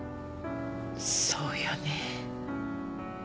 そうよね。